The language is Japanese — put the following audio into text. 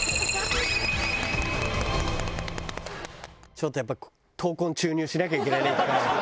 ちょっとやっぱり闘魂注入しなきゃいけないね１回。